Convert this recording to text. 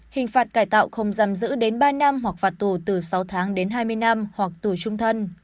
hình phạt cải tạo không giam giữ đến ba năm hoặc phạt tù từ sáu tháng đến hai mươi năm hoặc tù trung thân